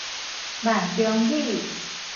閩中語